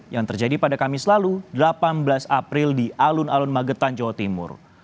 yang terjadi pada kamis lalu delapan belas april di alun alun magetan jawa timur